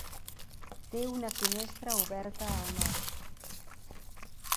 Té una finestra oberta al Nord.